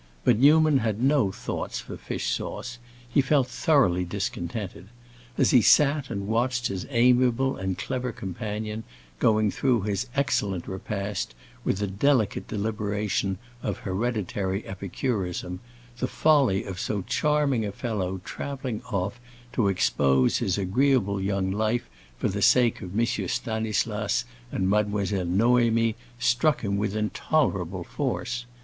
But Newman had no thoughts for fish sauce; he felt thoroughly discontented. As he sat and watched his amiable and clever companion going through his excellent repast with the delicate deliberation of hereditary epicurism, the folly of so charming a fellow traveling off to expose his agreeable young life for the sake of M. Stanislas and Mademoiselle Noémie struck him with intolerable force.